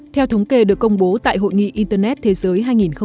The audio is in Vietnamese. theo thống kê được công bố tại hội nghị internet thế giới hai nghìn hai mươi